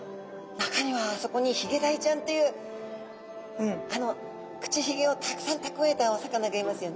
中にはあそこにヒゲダイちゃんというあの口ひげをたくさんたくわえたお魚がいますよね。